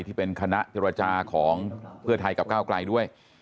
ที่เป็นคณะเจรจาของเพื่อไทยกับก้าวไกลด้วย